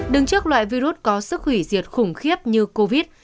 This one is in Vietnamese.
đứng trước loại virus có sức hủy diệt khủng khiếp như covid